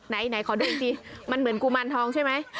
ไหนขอดูสิมันเหมือนกุมารทองใช่ไหม